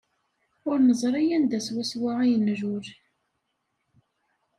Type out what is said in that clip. Ur neẓri anda swaswa ay nlul.